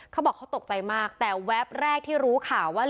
เขาบอกเขาตกใจมากแต่แวบแรกที่รู้ข่าวว่า